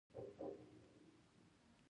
پرتا به هم مور سر تړلی وو چی